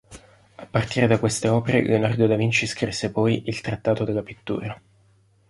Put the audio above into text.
A partire da queste opere Leonardo da Vinci scrisse poi il "Trattato della pittura".